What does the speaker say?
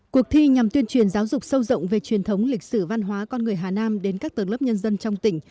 cuộc thi nhằm tuyên truyền giáo dục sâu rộng về truyền thống lịch sử văn hóa con người hà nam đến các tầng lớp nhân dân trong tỉnh